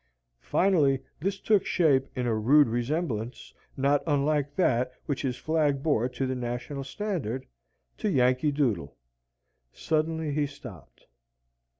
Finally this took shape in a rude resemblance, not unlike that which his flag bore to the national standard, to Yankee Doodle. Suddenly he stopped.